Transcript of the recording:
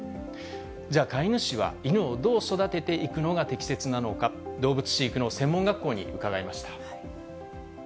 じゃあ、飼い主は犬をどう育てていくのが適切なのか、動物飼育の専門学校に伺いました。